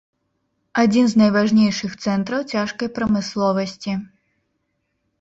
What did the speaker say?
Адзін з найважнейшых цэнтраў цяжкай прамысловасці.